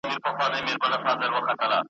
په دواړو شعرونو کي !.